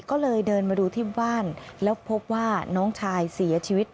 ก็เลยเดินมาดูที่บ้านแล้วพบว่าน้องชายเสียชีวิต